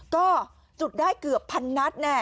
ก็จุดได้เกือบพันนัดแน่